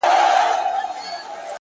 فکر ژور وي نو حلونه واضح وي،